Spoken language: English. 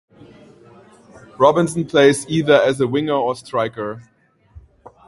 Robinson plays either as a winger or striker.